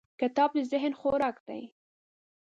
کتاب د ذهن خوراک دی.